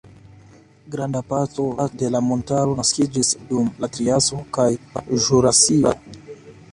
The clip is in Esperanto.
Granda parto de la montaro naskiĝis dum la triaso kaj ĵurasio.